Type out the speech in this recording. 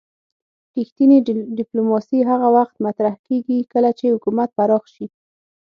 رښتینې ډیپلوماسي هغه وخت مطرح کیږي کله چې حکومت پراخ شي